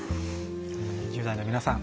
１０代の皆さん